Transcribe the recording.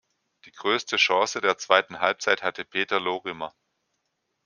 Die größte Chance der zweiten Halbzeit hatte Peter Lorimer.